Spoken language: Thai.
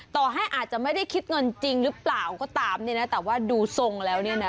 ต่อให้อาจจะไม่ได้คิดเงินจริงหรือเปล่าก็ตามเนี่ยนะแต่ว่าดูทรงแล้วเนี่ยนะ